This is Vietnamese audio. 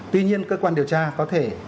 tuy nhiên cơ quan điều tra có thể